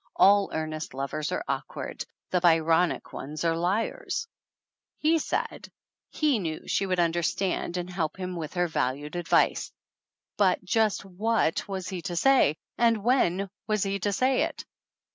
"All earnest lovers are awkward. The Byronic ones are liars !" He said he knew she would understand and help him with her valued advice! But, just what was he to say ? And when was he to say it?